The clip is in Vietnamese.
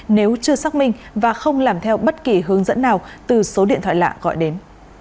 nếu chưa xác minh và không làm theo bất kỳ hướng dẫn nào từ số điện thoại lạ gọi đến